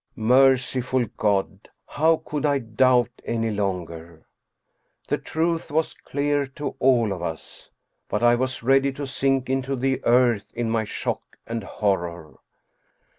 Merciful God, how could I doubt any longer? The truth was clear to all of us. But I was ready to sink into the earth in my shock and horror.